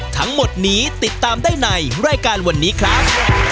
ทั้งหมดนี้ติดตามได้ในรายการวันนี้ครับ